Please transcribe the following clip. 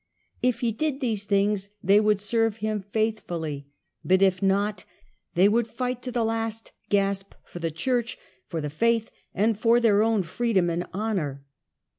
If he did these things they would serve hini faithfully ; but if not they would fight to the last gasp for the Chm'ch, for the faith, and for their own freedom and honour.